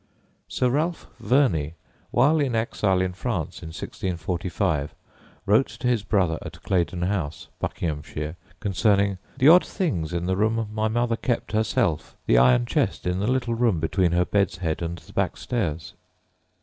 Sir Ralph Verney, while in exile in France in 1645, wrote to his brother at Claydon House, Buckinghamshire, concerning "the odd things in the room my mother kept herself _the iron chest in the little room between her bed's head and the back stairs.